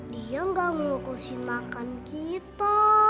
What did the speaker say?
dia gak ngurusin makan kita